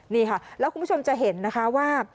นี่ค่ะแล้วคุณผู้ชมจะเห็นนะคะว่า